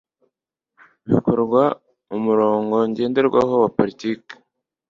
bikorwa umurongo ngenderwaho wa politiki